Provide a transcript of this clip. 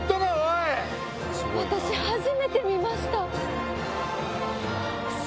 私、初めて見ました。